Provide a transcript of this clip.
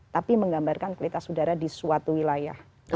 tapi menggambarkan kualitas udara di suatu wilayah